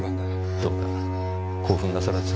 どうか興奮なさらずに。